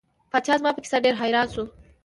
پاچا زما په کیسه ډیر حیران شو.